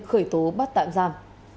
khởi tố bắt tạm giam